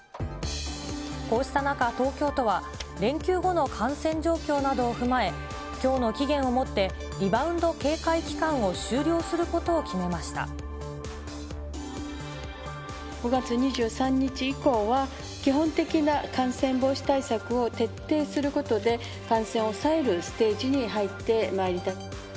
こうした中、東京都は連休後の感染状況などを踏まえ、きょうの期限をもってリバウンド警戒期間を終了することを決めま５月２３日以降は、基本的な感染防止対策を徹底することで、感染を抑えるステージに入ってまいりたい。